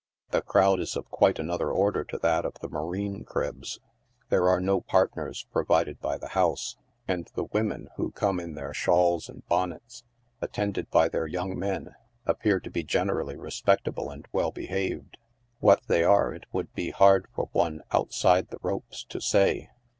The crowd is of quite another order to that of the marine cribs. There are no partners provided by the house, and the women, who come in their shawls and bonnets, attended by their young men, ap pear to be generally respectable and well behaved. What they are it would be hard for one " outside the ropes" to say.